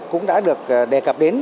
cũng đã được đề cập đến